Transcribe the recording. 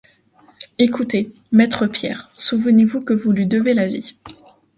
Écoutez, maître Pierre, souvenez-vous que vous lui devez la vie.